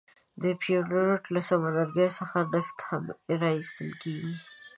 د بیوفورت له سمندرګي څخه نفت هم را ایستل کیږي.